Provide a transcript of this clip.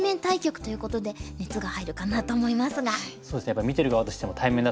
やっぱり見てる側としても対面だとね